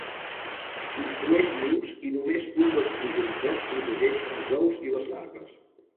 Construeix nius i només un dels progenitors protegeix els ous i les larves.